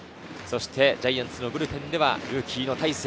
ジャイアンツのブルペンではルーキーの大勢。